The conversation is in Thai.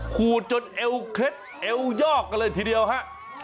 ขูดจนเอวเคล็ดเอวยอกกันเลยทีเดียวฮะ